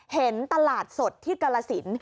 เห็นตลาดสดที่กรสิน